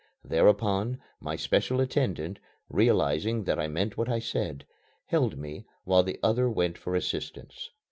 Thereupon, my special attendant, realizing that I meant what I said, held me while the other went for assistance.